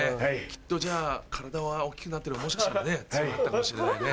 きっとじゃあ体が大っきくなってればもしかしたらね強かったかもしれないね。